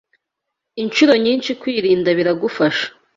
inshuro nyinshi kwirinda biragufasha